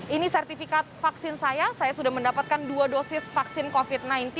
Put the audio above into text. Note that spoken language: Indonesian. ini sertifikat vaksin saya saya sudah mendapatkan dua dosis vaksin covid sembilan belas